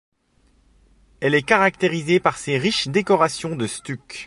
Elle est caractérisée par ses riches décorations de stuc.